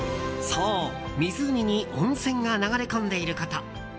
そう、湖に温泉が流れ込んでいること。